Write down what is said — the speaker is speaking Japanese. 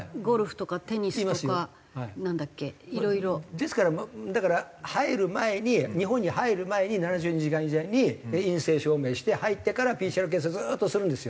ですから入る前に日本に入る前に７２時間以前に陰性証明して入ってからＰＣＲ検査をずーっとするんですよ。